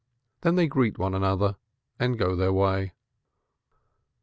Then they greet one another and go their way."